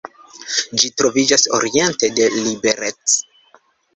Ĝi troviĝas oriente de Liberec.